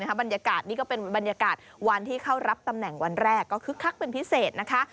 แต่ว่าวันที่เข้ารับตำแหน่งวันแรกขึ้กเป็นพิเศษนะคะ